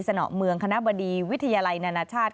สนอเมืองคณะบดีวิทยาลัยนานาชาติ